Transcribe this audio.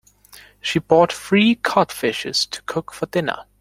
She bought three cod fishes to cook for dinner.